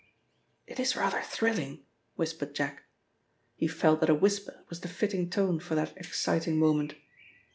"It is rather thrilling," whispered Jack. He felt that a whisper was the fitting tone for that exciting moment.